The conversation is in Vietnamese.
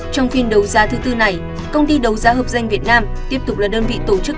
trong phiên đấu giá thứ tư này công ty đấu giá hợp danh việt nam tiếp tục là đơn vị tổ chức